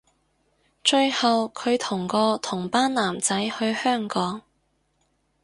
最後距同個同班男仔去香港